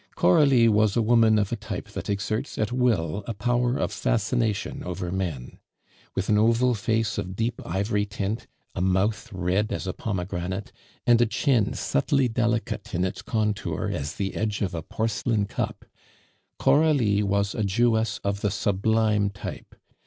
Coralie was a woman of a type that exerts at will a power of fascination over men. With an oval face of deep ivory tint, a mouth red as a pomegranate, and a chin subtly delicate in its contour as the edge of a porcelain cup, Coralie was a Jewess of the sublime type.